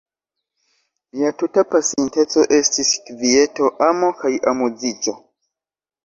Mia tuta pasinteco estis kvieto, amo kaj amuziĝo.